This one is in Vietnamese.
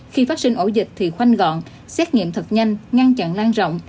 khi phát sinh ổ dịch thì khoanh gọn xét nghiệm thật nhanh ngăn chặn lan rộng